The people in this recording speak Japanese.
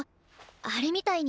あれみたいに。